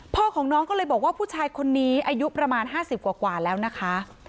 พ่อของน้องก็เลยบอกว่าผู้ชายคนนี้อายุประมาณ๕๐กว่าแล้วนะคะ